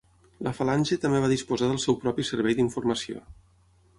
La Falange també va disposar del seu propi servei d'informació.